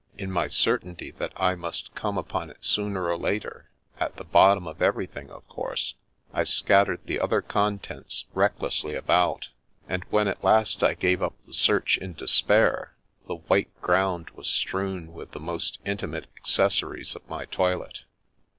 In my certainty that I must come upon it sooner or later — at the bottom of everything, of course — ^I scattered the other contents recklessly about; and when at last I gave up the search in despair, the The Revenge of the Mountain 285 white ground was strewn with the most intimate accessories of my toilet.